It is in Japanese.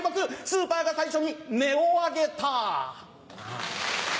スーパーが最初にネを上げた。